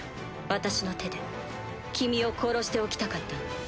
私の手で君を殺しておきたかったの。